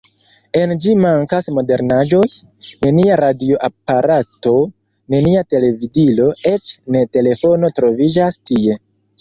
En ĝi mankas modernaĵoj: nenia radioaparato, nenia televidilo, eĉ ne telefono troviĝas tie.